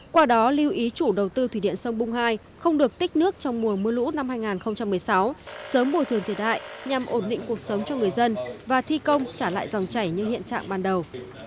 qua đó lưu ý chủ đầu tư thủy điện sông bung hai không được tích nước trong mùa mưa lũ năm hai nghìn một mươi sáu sớm bồi thường thiệt hại nhằm ổn định cuộc sống cho người dân và thi công trả lại dòng chảy như hiện trạng ban đầu